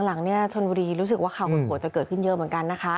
หลังเนี่ยชนบุรีรู้สึกว่าข่าวหดหัวจะเกิดขึ้นเยอะเหมือนกันนะคะ